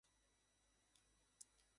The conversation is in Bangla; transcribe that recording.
যাতে মার্কিন সেনাবাহিনীকে বিভ্রান্ত করা যায়।